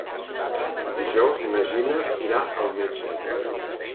Dijous na Gina irà al metge.